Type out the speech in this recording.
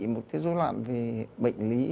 một cái dối loạn về bệnh lý